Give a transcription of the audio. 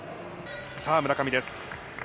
さあ、村上です。